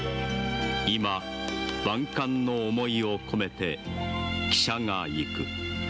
今、万感の思いを込めて汽車が行く。